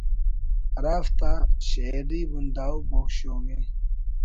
ہرا فتا شئیری بنداو بوگ شوگ ءِ